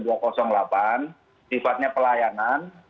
res dua ratus delapan sifatnya pelayanan